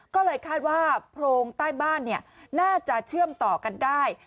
ก็เลยคาดว่าโพรงใต้บ้านน่าจะเชื่อมต่อกันได้